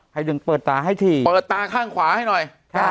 ให้ดึงเปิดตาให้ทีเปิดตาข้างขวาให้หน่อย